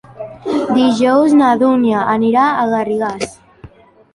Dijous na Dúnia anirà a Garrigàs.